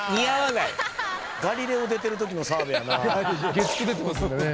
月９出てますんでね。